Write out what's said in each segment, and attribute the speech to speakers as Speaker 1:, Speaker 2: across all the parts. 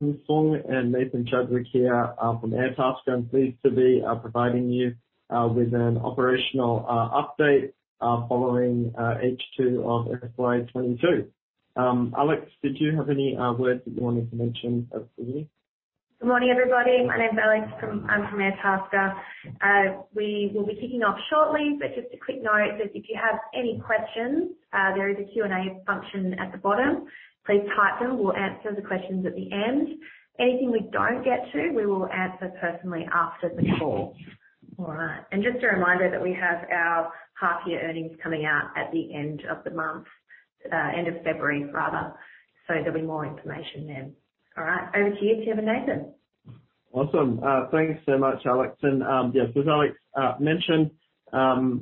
Speaker 1: Nathan Chadwick here from Airtasker. I'm pleased to be providing you with an operational update following H2 of FY 2022. Alex, did you have any words that you wanted to mention quickly?
Speaker 2: Good morning, everybody. My name's Alex from Airtasker. We will be kicking off shortly, but just a quick note that if you have any questions, there is a Q&A function at the bottom. Please type them. We'll answer the questions at the end. Anything we don't get to, we will answer personally after the call. All right. Just a reminder that we have our half year earnings coming out at the end of the month, end of February rather. There'll be more information then. All right, over to you, Timothy and Nathan.
Speaker 3: Awesome. Thanks so much, Alex. Yes, as Alex mentioned,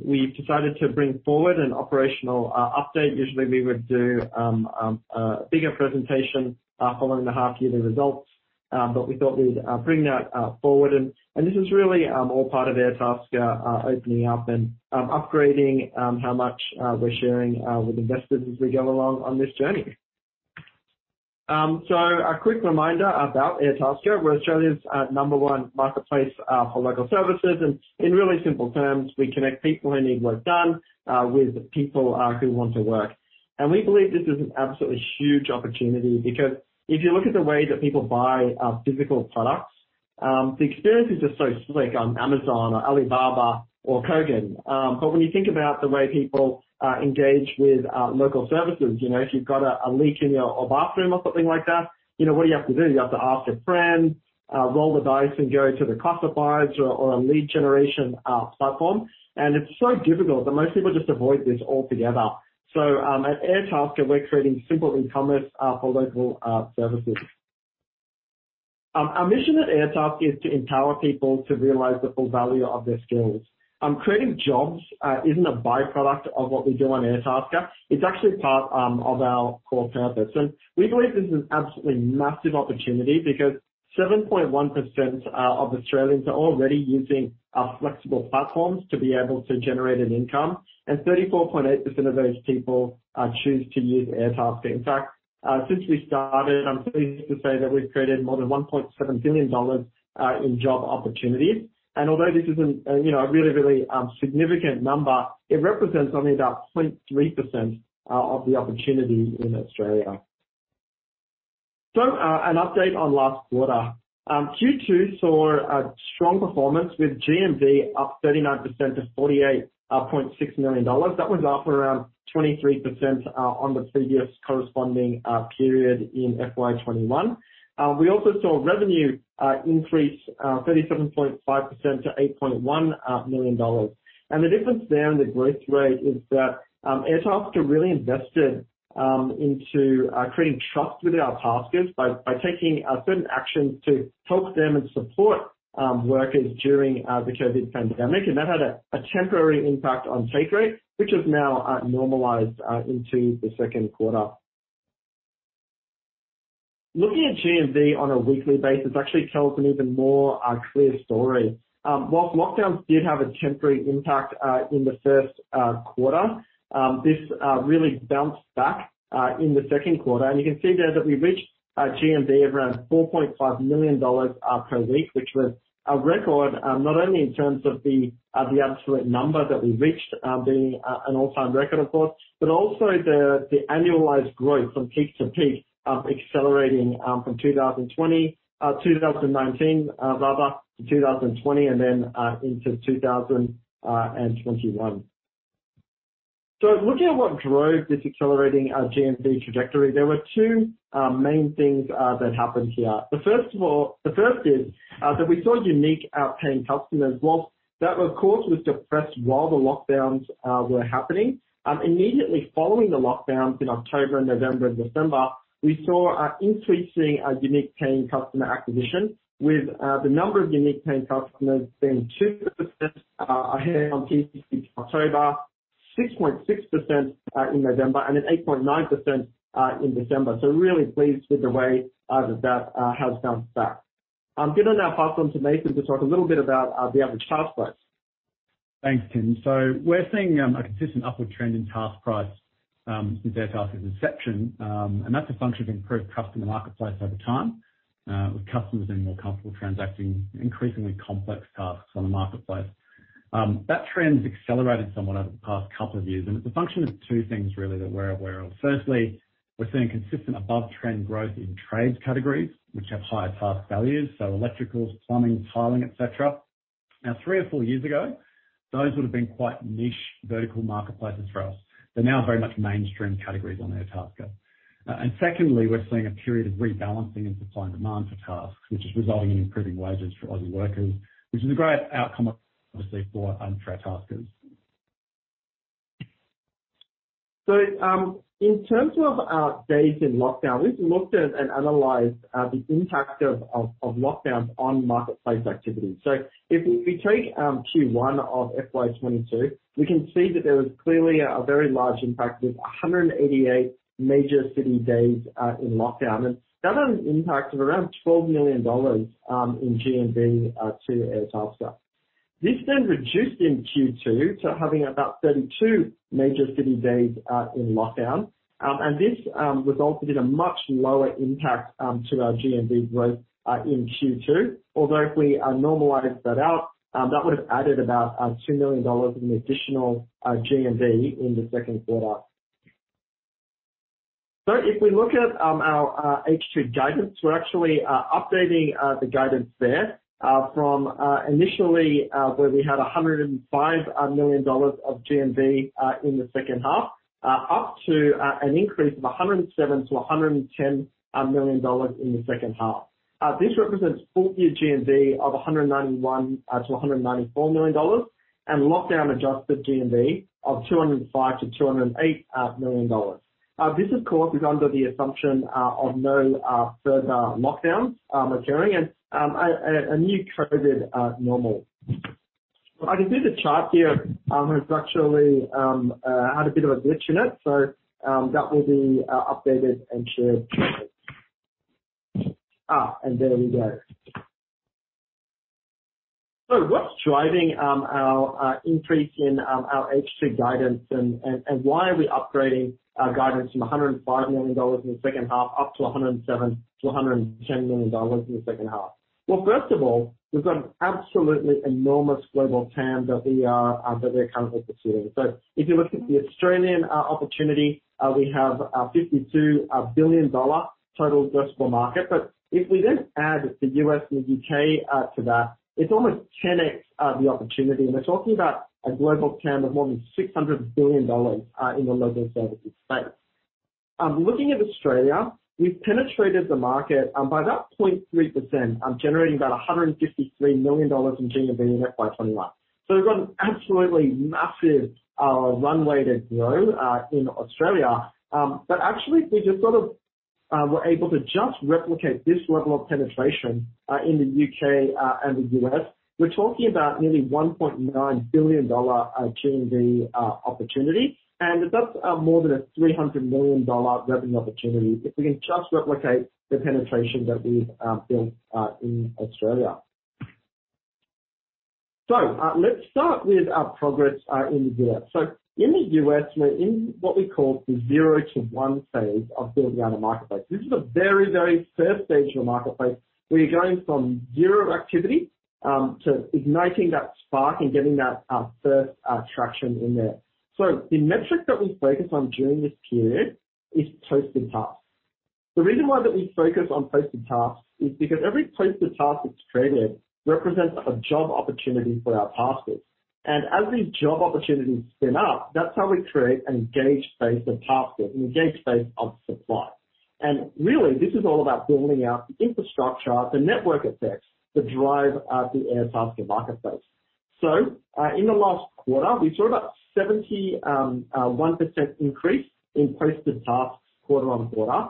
Speaker 3: we've decided to bring forward an operational update. Usually we would do a bigger presentation following the half year results, but we thought we'd bring that forward. This is really all part of Airtasker opening up and upgrading how much we're sharing with investors as we go along on this journey. A quick reminder about Airtasker. We're Australia's number one marketplace for local services. In really simple terms, we connect people who need work done with people who want to work. We believe this is an absolutely huge opportunity because if you look at the way that people buy physical products, the experiences are so slick on Amazon or Alibaba or Kogan. But when you think about the way people engage with local services, you know, if you've got a leak in your bathroom or something like that, you know, what do you have to do? You have to ask a friend, roll the dice and go to the classifieds or a lead generation platform. It's so difficult that most people just avoid this altogether. At Airtasker, we're creating simple ecommerce for local services. Our mission at Airtasker is to empower people to realize the full value of their skills. Creating jobs isn't a by-product of what we do on Airtasker, it's actually part of our core purpose. We believe this is an absolutely massive opportunity because 7.1% of Australians are already using our flexible platforms to be able to generate an income, and 34.8% of those people choose to use Airtasker. In fact, since we started, I'm pleased to say that we've created more than 1.7 billion dollars in job opportunities. Although this is, you know, a really significant number, it represents only about 0.3% of the opportunity in Australia. An update on last quarter. Q2 saw a strong performance with GMV up 39% to 48.6 million dollars. That was up around 23% on the previous corresponding period in FY 2021. We also saw revenue increase 37.5% to 8.1 million dollars. The difference there in the growth rate is that, Airtasker really invested into creating trust with our taskers by taking certain actions to help them and support workers during the COVID pandemic. That had a temporary impact on take rate, which has now normalized into the second quarter. Looking at GMV on a weekly basis actually tells an even more clear story. While lockdowns did have a temporary impact in the first quarter, this really bounced back in the second quarter. You can see there that we reached GMV around 4.5 million dollars per week, which was a record, not only in terms of the absolute number that we reached, being an all-time record, of course, but also the annualized growth from peak to peak, accelerating, from 2019, rather, to 2020 and then into 2021. Looking at what drove this accelerating GMV trajectory, there were two main things that happened here. The first is that we saw unique paying customers. While that of course was depressed while the lockdowns were happening, immediately following the lockdowns in October and November and December, we saw a increase in unique paying customer acquisition, with the number of unique paying customers being 2%, peak week October, 6.6% in November, and then 8.9% in December. Really pleased with the way that has bounced back. Given that platform to Nathan to talk a little bit about the average task price.
Speaker 1: Thanks, Tim. We're seeing a consistent upward trend in task price since Airtasker's inception. That's a function of improved customer marketplace over time with customers being more comfortable transacting increasingly complex tasks on the marketplace. That trend has accelerated somewhat over the past couple of years, and it's a function of two things really that we're aware of. Firstly, we're seeing consistent above trend growth in trades categories, which have higher task values, so electricals, plumbing, tiling, et cetera. Now three or four years ago, those would have been quite niche vertical marketplaces for us. They're now very much mainstream categories on Airtasker. Secondly, we're seeing a period of rebalancing in supply and demand for tasks, which is resulting in improving wages for Aussie workers, which is a great outcome obviously for our taskers.
Speaker 3: In terms of days in lockdown, we've looked at and analyzed the impact of lockdowns on marketplace activity. If we take Q1 of FY 2022, we can see that there was clearly a very large impact with 188 major city days in lockdown. That had an impact of around 12 million dollars in GMV to Airtasker. This reduced in Q2 to having about 32 major city days in lockdown. This resulted in a much lower impact to our GMV growth in Q2. Although if we normalize that out, that would have added about 2 million dollars in additional GMV in the second quarter. If we look at our H2 guidance, we're actually updating the guidance there from initially where we had 105 million dollars of GMV in the second half up to an increase of 107 million-110 million dollars in the second half. This represents full year GMV of 191 million-194 million dollars, and lockdown adjusted GMV of 205 million-208 million dollars. This of course is under the assumption of no further lockdowns occurring and a new COVID normal. I can see the chart here has actually had a bit of a glitch in it, so that will be updated and shared. There we go. What's driving our increase in our H2 guidance and why are we upgrading our guidance from 105 million dollars in the second half up to 107 million-110 million dollars in the second half? Well, first of all, we've got an absolutely enormous global TAM that we're currently pursuing. If you look at the Australian opportunity, we have a 52 billion dollar total addressable market. If we then add the U.S. and the U.K. to that, it's almost 10x the opportunity. We're talking about a global TAM of more than $600 billion in the local services space. Looking at Australia, we've penetrated the market by about 0.3%, generating about AUD 153 million in GMV net by 2021. We've got an absolutely massive runway to grow in Australia. Actually, if we just sort of were able to just replicate this level of penetration in the U.K. and the U.S., we're talking about nearly $1.9 billion GMV opportunity. That's more than a $300 million revenue opportunity if we can just replicate the penetration that we've built in Australia. Let's start with our progress in the U.S. In the U.S., we're in what we call the zero to one phase of building out a marketplace. This is a very, very first phase of a marketplace where you're going from zero activity to igniting that spark and getting that first traction in there. The metric that we focus on during this period is posted tasks. The reason why that we focus on posted tasks is because every posted task that's created represents a job opportunity for our taskers. As these job opportunities spin up, that's how we create an engaged base of taskers, an engaged base of supply. Really, this is all about building out the infrastructure, the network effects to drive the Airtasker marketplace. In the last quarter, we saw about 71% increase in posted tasks quarter-on-quarter.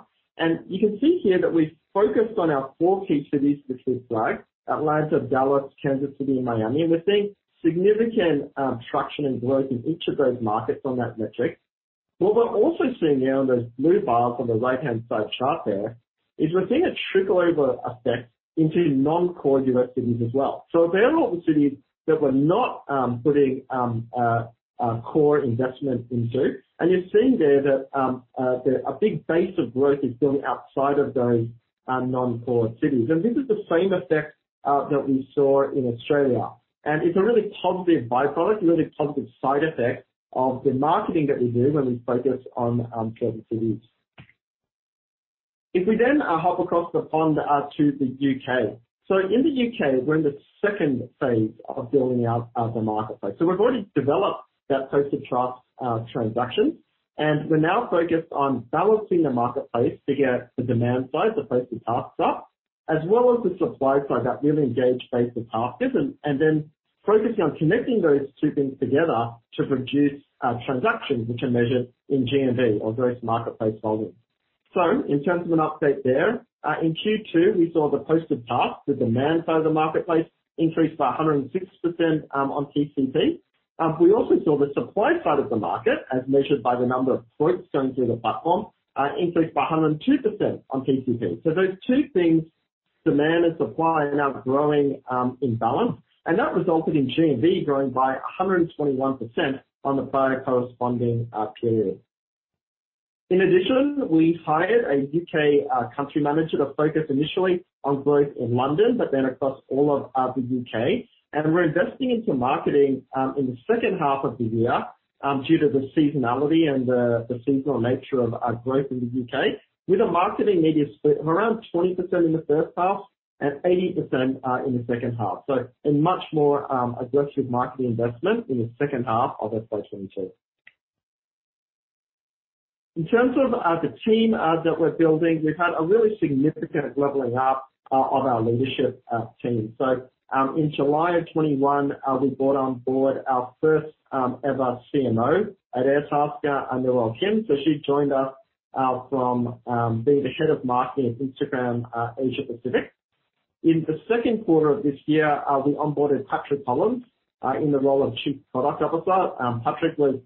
Speaker 3: You can see here that we've focused on our four key cities for this flag, Atlanta, Dallas, Kansas City and Miami. We're seeing significant traction and growth in each of those markets on that metric. What we're also seeing now in those blue bars on the right-hand side chart there is we're seeing a spillover effect into non-core U.S. cities as well. They're all the cities that we're not putting core investment into. You're seeing there that a big base of growth is building outside of those non-core cities. This is the same effect that we saw in Australia. It's a really positive byproduct, a really positive side effect of the marketing that we do when we focus on certain cities. If we then hop across the pond to the U.K. In the U.K., we're in the second phase of building out the marketplace. We've already developed that posted tasks transaction, and we're now focused on balancing the marketplace to get the demand side, the posted tasks up, as well as the supply side, that really engaged base of taskers. Then focusing on connecting those two things together to produce transactions which are measured in GMV or gross marketplace volume. In terms of an update there, in Q2, we saw the posted tasks, the demand side of the marketplace, increased by 106% on PCP. We also saw the supply side of the market, as measured by the number of quotes going through the platform, increased by 102% on PCP. Those two things, demand and supply, are now growing in balance. That resulted in GMV growing by 121% on the prior corresponding period. In addition, we hired a U.K. country manager to focus initially on growth in London, but then across all of the U.K. We're investing into marketing in the second half of the year due to the seasonality and the seasonal nature of our growth in the U.K., with a marketing media split of around 20% in the first half and 80% in the second half. A much more aggressive marketing investment in the second half of FY 2022. In terms of the team that we're building, we've had a really significant leveling up of our leadership team. In July 2021, we brought on board our first ever CMO at Airtasker, Noelle Kim. She joined us from being the head of marketing at Instagram Asia Pacific. In the second quarter of this year, we onboarded Patrick Collins in the role of Chief Product Officer. Patrick was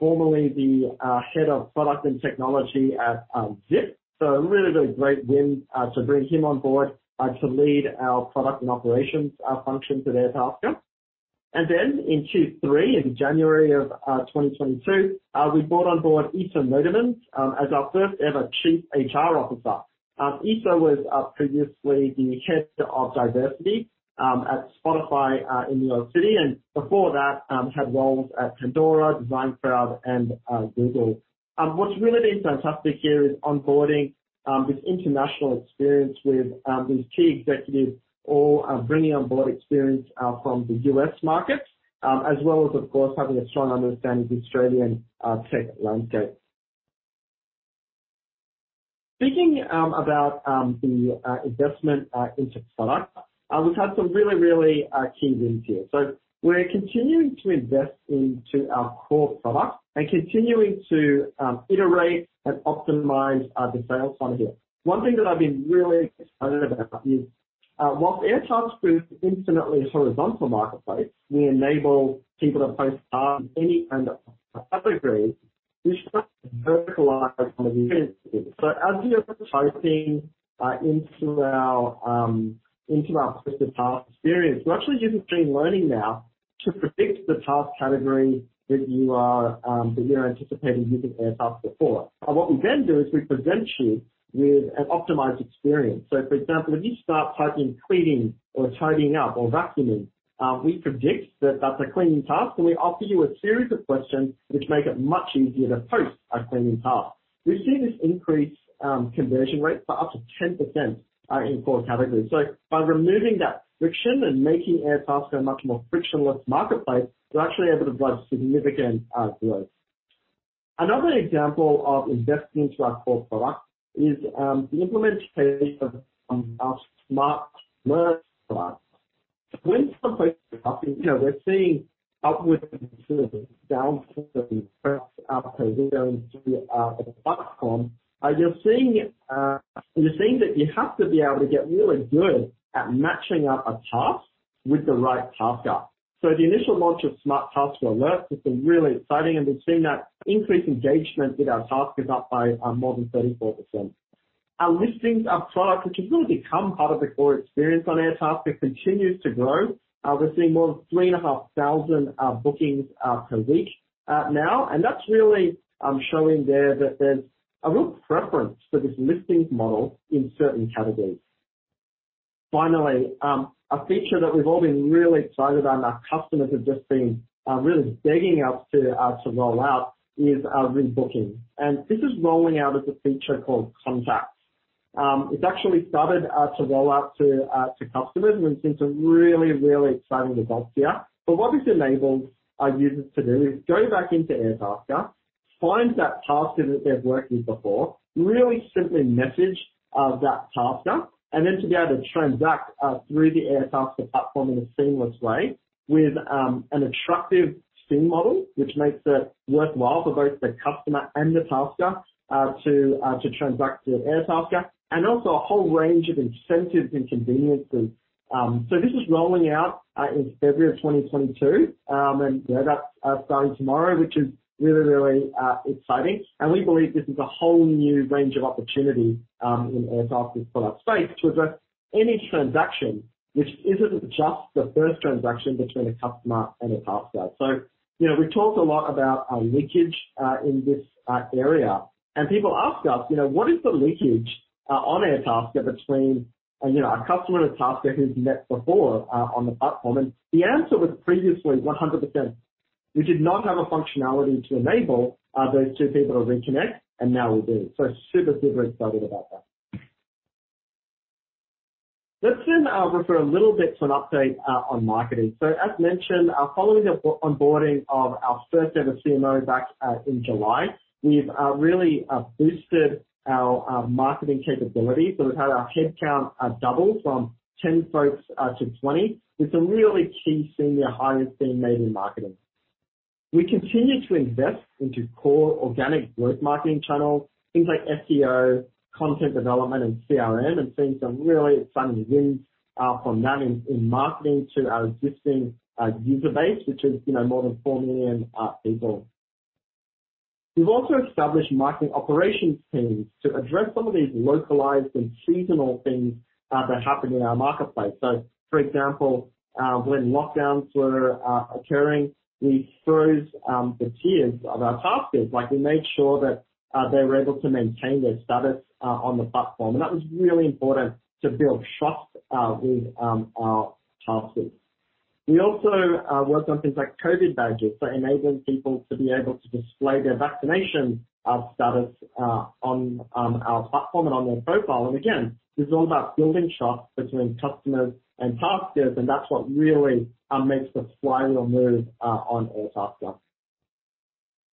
Speaker 3: formerly the head of product and technology at Zip. Really great win to bring him on board to lead our product and operations function for Airtasker. Then in Q3, in January of 2022, we brought on board Isa Notermans as our first ever Chief HR Officer. Isa was previously the head of diversity at Spotify in New York City, and before that had roles at Pandora, DesignCrowd and Google. What's really been fantastic here is onboarding this international experience with these key executives all bringing on board experience from the U.S. market as well as of course having a strong understanding of the Australian tech landscape. Speaking about the investment into product, we've had some really key wins here. We're continuing to invest into our core product and continuing to iterate and optimize the sales funnel here. One thing that I've been really excited about is while Airtasker is inherently a horizontal marketplace, we enable people to post any kind of category. We start to verticalize some of the experiences. As you're typing into our specific task experience, we're actually using machine learning now to predict the task category that you're anticipating using Airtasker for. What we then do is we present you with an optimized experience. For example, if you start typing cleaning or tidying up or vacuuming, we predict that that's a cleaning task, and we offer you a series of questions which make it much easier to post a cleaning task. We've seen this increase in conversion rate by up to 10% in core categories. By removing that friction and making Airtasker a much more frictionless marketplace, we're actually able to drive significant growth. Another example of investing into our core product is the implementation of our smart alerts product. When someone posts a task, you know we're seeing upwards going through the platform, you're seeing that you have to be able to get really good at matching up a task with the right tasker. The initial launch of smart alerts has been really exciting, and we've seen that increase in engagement with our taskers up by more than 34%. Our listings product, which has really become part of the core experience on Airtasker, continues to grow. We're seeing more than 3,500 bookings per week now. That's really showing there that there's a real preference for this listings model in certain categories. Finally, a feature that we've all been really excited and our customers have just been really begging us to roll out is rebooking. This is rolling out as a feature called Contacts. It's actually started to roll out to customers, and we've seen some really, really exciting results here. What this enables our users to do is go back into Airtasker, find that tasker that they've worked with before, really simply message that tasker, and then to be able to transact through the Airtasker platform in a seamless way with an attractive win-win model, which makes it worthwhile for both the customer and the tasker to transact via Airtasker, and also a whole range of incentives and conveniences. This is rolling out in February of 2022. Yeah, that's starting tomorrow, which is really exciting. We believe this is a whole new range of opportunity in Airtasker's product space to address any transaction which isn't just the first transaction between a customer and a tasker. You know, we've talked a lot about our leakage in this area. People ask us, you know, "What is the leakage on Airtasker between, you know, a customer and a tasker who's met before on the platform?" The answer was previously 100%. We did not have a functionality to enable those two people to reconnect, and now we do. Super, super excited about that. Let's refer a little bit to an update on marketing. As mentioned, following the onboarding of our first ever CMO back in July, we've really boosted our marketing capabilities. We've had our head count double from 10 folks to 20. With some really key senior hires being made in marketing. We continue to invest into core organic growth marketing channels, things like SEO, content development and CRM, and seeing some really exciting wins from that in marketing to our existing user base, which is, you know, more than four million people. We've also established marketing operations teams to address some of these localized and seasonal things that happen in our marketplace. For example, when lockdowns were occurring, we froze the tiers of our taskers. Like we made sure that they were able to maintain their status on the platform. That was really important to build trust with our taskers. We also worked on things like COVID badges, so enabling people to be able to display their vaccination status on our platform and on their profile. This is all about building trust between customers and taskers, and that's what really makes the flywheel move on Airtasker.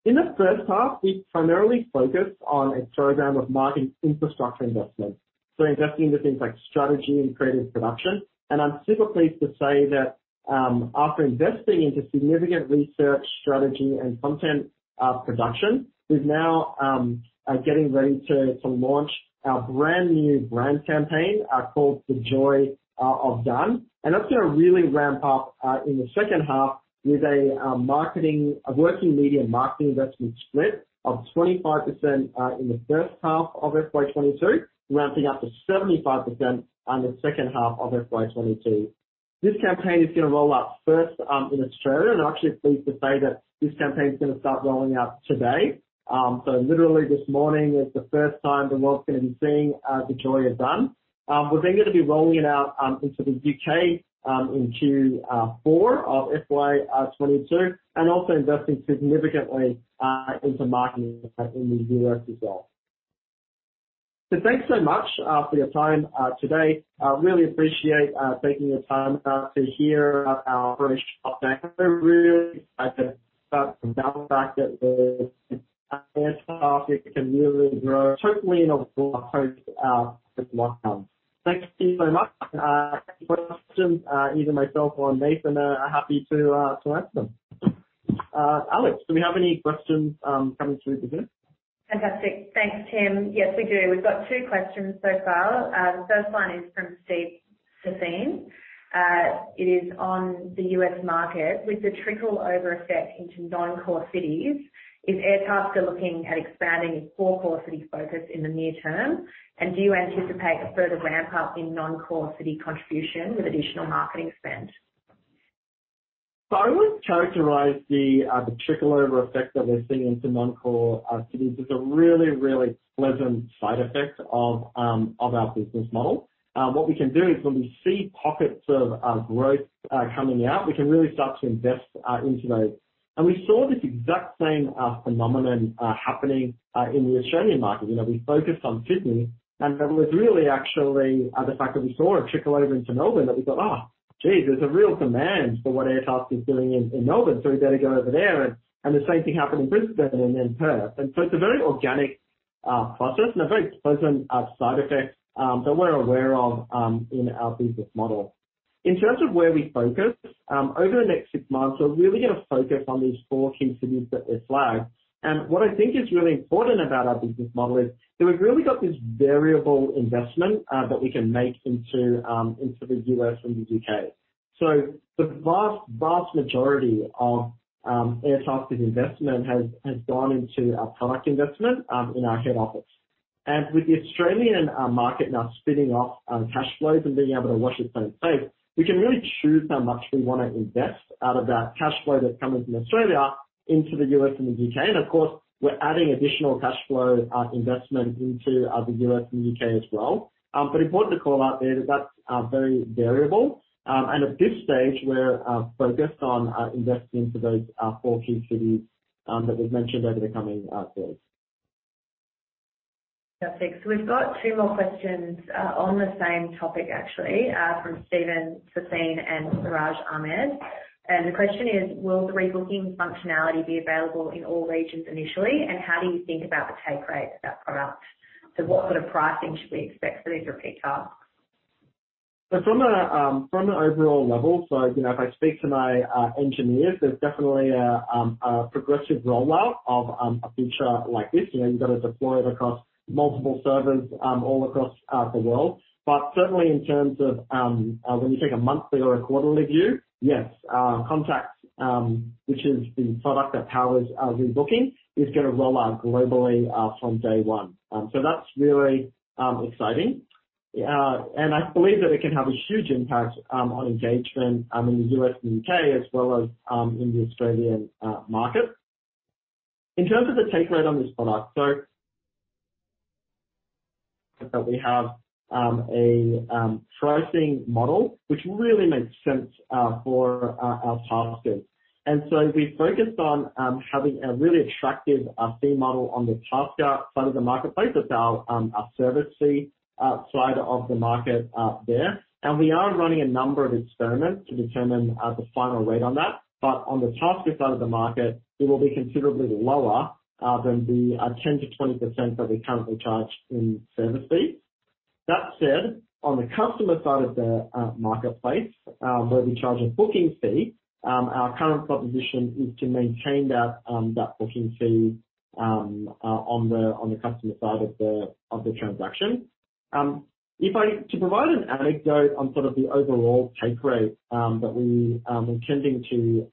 Speaker 3: In the first half, we primarily focused on a program of marketing infrastructure investments. Investing into things like strategy and creative production. I'm super pleased to say that after investing into significant research, strategy and content production, we're now getting ready to launch our brand-new brand campaign called The Joy of Done. That's gonna really ramp up in the second half with a working media marketing investment split of 25% in the first half of FY 2022, ramping up to 75% in the second half of FY 2022. This campaign is gonna roll out first in Australia. I'm actually pleased to say that this campaign is gonna start rolling out today. Literally this morning is the first time the world's gonna be seeing the Joy of Done. We're then gonna be rolling it out into the U.K. in Q4 of FY 2022 and also investing significantly into marketing in the U.S. as well. Thanks so much for your time today. I really appreciate taking the time to hear our operational update. I'm really excited about the fact that Airtasker can really grow totally in a global scope with Done. Thank you so much. Questions, either myself or Nathan are happy to answer them. Alex, do we have any questions coming through today?
Speaker 2: Fantastic. Thanks, Tim. Yes, we do. We've got two questions so far. The first one is from Steven Sassine. It is on the U.S. market. With the spillover effect into non-core cities, is Airtasker looking at expanding its four-core city focus in the near term? And do you anticipate a further ramp up in non-core city contribution with additional marketing spend?
Speaker 3: I would characterize the trickle over effect that we're seeing into non-core cities as a really, really pleasant side effect of our business model. What we can do is when we see pockets of growth coming out, we can really start to invest into those. We saw this exact same phenomenon happening in the Australian market. You know, we focused on Sydney, and it was really actually the fact that we saw it trickle over into Melbourne, that we thought, "Ah, geez, there's a real demand for what Airtasker is doing in Melbourne, so we better go over there." The same thing happened in Brisbane and then Perth. It's a very organic process and a very pleasant side effect that we're aware of in our business model. In terms of where we focus over the next six months, we're really gonna focus on these four key cities that we've flagged. What I think is really important about our business model is that we've really got this variable investment that we can make into the U.S. from the U.K. The vast majority of Airtasker's investment has gone into our product investment in our head office. With the Australian market now spinning off cash flows and being able to wash its face, we can really choose how much we wanna invest out of that cash flow that's coming from Australia into the U.S. and the U.K. Of course, we're adding additional cash flow investment into the U.S. and U.K. as well. Important to call out there that that's very variable. At this stage, we're focused on investing into those four key cities that we've mentioned over the coming quarters.
Speaker 2: Fantastic. We've got two more questions on the same topic, actually, from Steven Sassine and Suraj Ahmed. The question is, will the rebooking functionality be available in all regions initially? How do you think about the take rate of that product? What sort of pricing should we expect for these repeat tasks?
Speaker 3: From an overall level, you know, if I speak to my engineers, there's definitely a progressive rollout of a feature like this. You know, you've got to deploy it across multiple servers all across the world. But certainly, in terms of when you take a monthly or a quarterly view, yes, Contacts, which is the product that powers our rebooking, is gonna roll out globally from day one. That's really exciting. And I believe that it can have a huge impact on engagement in the U.S. and U.K., as well as in the Australian market. In terms of the take rate on this product, so that we have a pricing model which really makes sense for our taskers. We focused on having a really attractive fee model on the tasker side of the marketplace. That's our service fee side of the market there. We are running a number of experiments to determine the final rate on that. But on the tasker side of the market, it will be considerably lower than the 10%-20% that we currently charge in service fees. That said, on the customer side of the marketplace, where we charge a booking fee, our current proposition is to maintain that booking fee on the customer side of the transaction. To provide an anecdote on sort of the overall take rate that we are intending to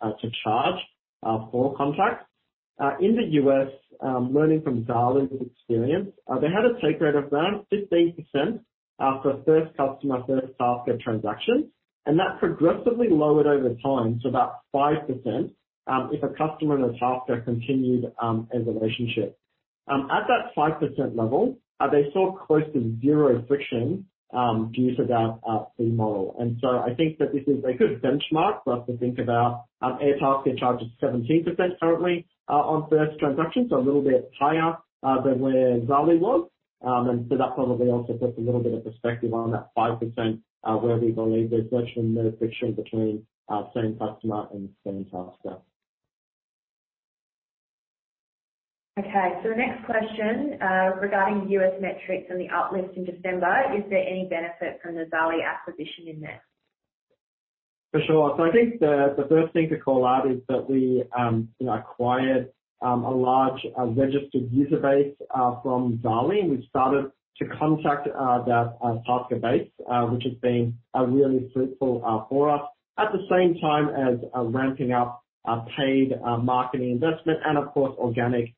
Speaker 3: charge for contracts in the U.S., learning from Zaarly's experience, they had a take rate of around 15% for first customer, first tasker transaction, and that progressively lowered over time to about 5%, if a customer and a tasker continued a relationship. At that 5% level, they saw close to zero friction due to that fee model. I think that this is a good benchmark for us to think about. Airtasker charges 17% currently on first transaction, so a little bit higher than where Zaarly was. That probably also puts a little bit of perspective on that 5%, where we believe there's virtually no friction between same customer and same tasker.
Speaker 2: Okay. The next question, regarding U.S. metrics and the uplift in December, is there any benefit from the Zaarly acquisition in there?
Speaker 3: For sure. I think the first thing to call out is that we, you know, acquired a large, registered user base from Zaarly, and we started to contact that tasker base, which has been really fruitful for us. At the same time as ramping up paid marketing investment and of course, organic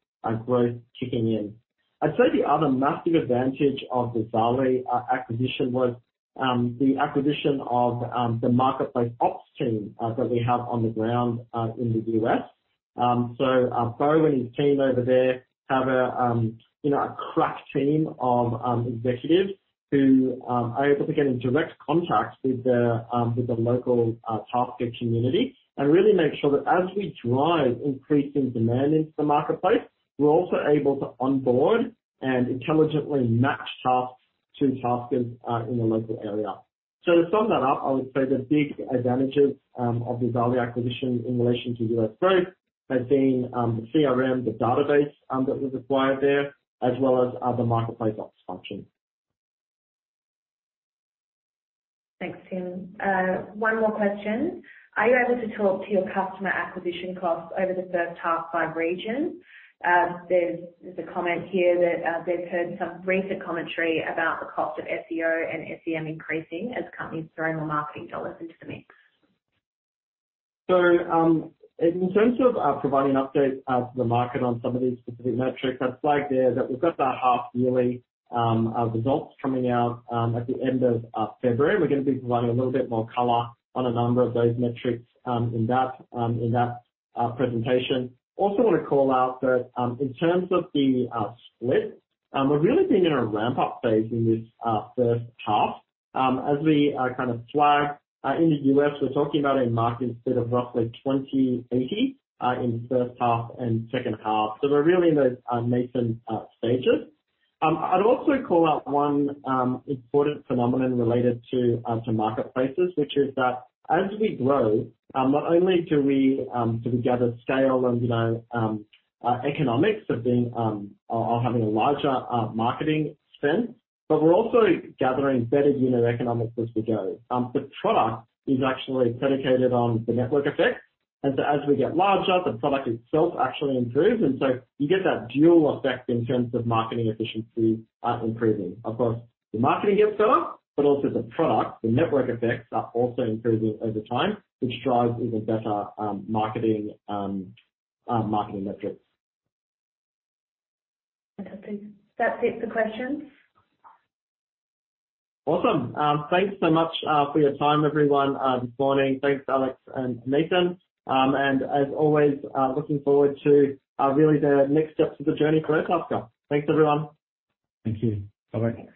Speaker 3: growth kicking in. I'd say the other massive advantage of the Zaarly acquisition was the acquisition of the marketplace ops team that we have on the ground in the U.S. Bo and his team over there have a, you know, a crack team of executives who are able to get in direct contact with the with the local tasker community and really make sure that as we drive increasing demand into the marketplace, we're also able to onboard and intelligently match tasks to taskers in the local area. To sum that up, I would say the big advantages of the Zaarly acquisition in relation to U.S. growth has been the CRM, the database that was acquired there, as well as other marketplace ops functions.
Speaker 2: Thanks, Tim. One more question. Are you able to talk to your customer acquisition costs over the first half by region? There's a comment here that they've heard some recent commentary about the cost of SEO and SEM increasing as companies throw more marketing dollars into the mix.
Speaker 3: In terms of providing updates to the market on some of these specific metrics, I'd flag there that we've got our half-yearly results coming out at the end of February. We're gonna be providing a little bit more color on a number of those metrics in that presentation. Also wanna call out that in terms of the split, we're really being in a ramp-up phase in this first half. As we kind of flag in the US, we're talking about a market split of roughly 20/80 in the first half and second half. We're really in those nascent stages. I'd also call out one important phenomenon related to marketplaces, which is that as we grow, not only do we gather scale and, you know, economics of being of having a larger marketing spend, but we're also gathering better unit economics as we go. The product is actually predicated on the network effect. As we get larger, the product itself actually improves. You get that dual effect in terms of marketing efficiency improving. Of course, the marketing gets better, but also the product, the network effects are also improving over time, which drives even better marketing metrics.
Speaker 2: Fantastic. That's it for questions.
Speaker 3: Awesome. Thanks so much for your time, everyone, this morning. Thanks, Alex and Nathan. As always, looking forward to really the next steps of the journey for Airtasker. Thanks, everyone.
Speaker 2: Thank you. Bye-bye.